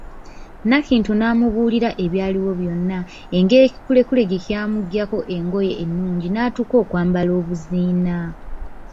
Nakintu n'amubuulira ebyaliwo byonna; engeri ekikulekule gye kyamuggyako engoye ennungi n'atuuka okwambala obuziina.